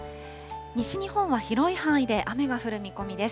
西日本は広い範囲で雨が降る見込みです。